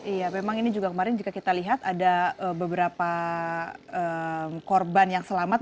iya memang ini juga kemarin jika kita lihat ada beberapa korban yang selamat